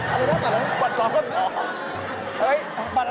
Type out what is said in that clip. อะไรนะบัตรอะไร